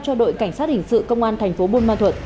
cho đội cảnh sát hình sự công an thành phố buôn ma thuật